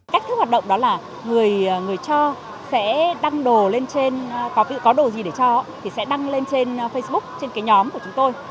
cách thức hoạt động đó là người cho sẽ đăng đồ lên trên facebook trên nhóm của chúng tôi